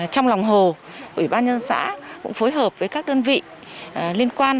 trong lòng hồ ủy ban nhân xã cũng phối hợp với các đơn vị liên quan